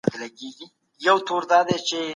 استاد مهربان دئ.